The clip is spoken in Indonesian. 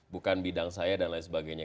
bukan bidang saya dan lain sebagainya